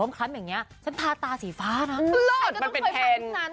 มันเป็นแผน